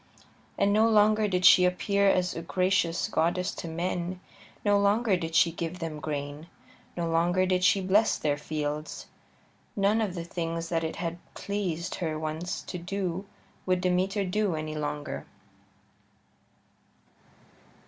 And no longer did she appear as a gracious goddess to men; no longer did she give them grain; no longer did she bless their fields. None of the things that it had pleased her once to do would Demeter do any longer.